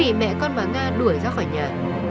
dũng bị mẹ con bà nga đuổi ra khỏi nhà